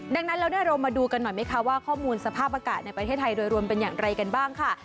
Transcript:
ดังนั้นแล้วเรามาดูกันหน่อยไหมคะว่าข้อมูลสภาพอากาศในประเทศไทยโดยรวมเป็นอย่างไรกันบ้างค่ะ